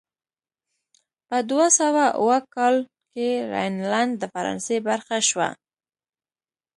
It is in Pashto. په دوه سوه اووه کال کې راینلنډ د فرانسې برخه شوه.